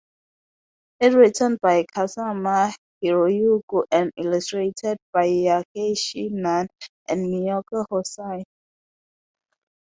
It written by Kasama Hiroyuki and illustrated by Yaegashi Nan and Mieko Hosoi.